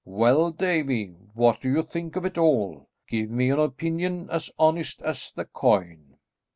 "Well, Davie, what do you think of it all? Give me an opinion as honest as the coin."